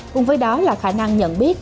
cùng với đó là khả năng nhận biết